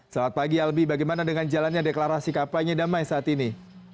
selamat pagi albi bagaimana dengan jalannya deklarasi kampanye damai saat ini